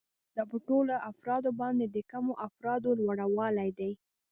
دا په ټولو افرادو باندې د کمو افرادو لوړوالی دی